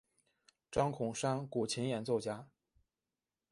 张孔山古琴演奏家。